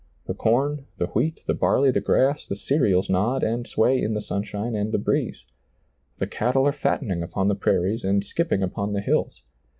The corn, the wheat, the barley, the grass, the cereals nod and sway in the sunshine and the breeze. The cattle are fattening upon the prairies and skipping upon the hills.